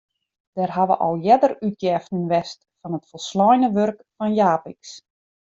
Der hawwe al earder útjeften west fan it folsleine wurk fan Japicx.